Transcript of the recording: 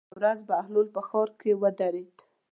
یوه ورځ بهلول په ښار کې ودرېد.